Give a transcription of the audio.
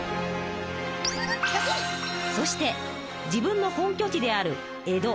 そして自分の本拠地である江戸